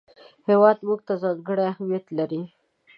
هېواد موږ ته ځانګړی اهمیت لري